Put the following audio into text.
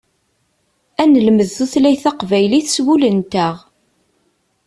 Ad nelmed tutlayt taqbaylit s wul-nteɣ.